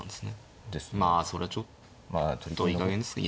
まあそれちょっといい加減ですね。